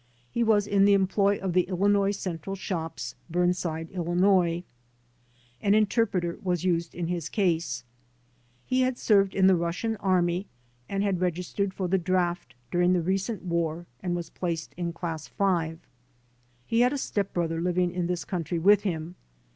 He was in the employ of the Illinois Central Shops, Burnside, Illinois. An inter preter was used in his case. He had served in the Rus sian Army and had registered for the draft during the recent war and was placed in class five. He had a step brother living in this country with him.